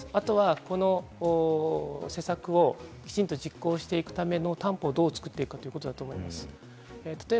あと、政策をしっかり実行していくための担保をどう作っていくかということだと思います。